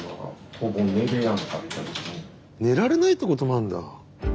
寝られないってこともあるんだ。